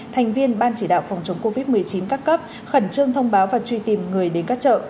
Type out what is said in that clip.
thành viên ban chỉ đạo phòng chống covid một mươi chín các cấp khẩn trương thông báo và truy tìm người đến các chợ